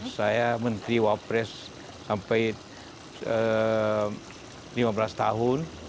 saya menteri wapres sampai lima belas tahun